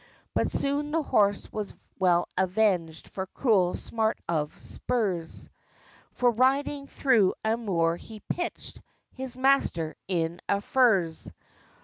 But soon the horse was well avenged For cruel smart of spurs, For, riding through a moor, he pitched His master in a furze!